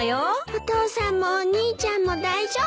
お父さんもお兄ちゃんも大丈夫？